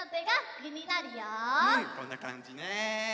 うんこんなかんじね。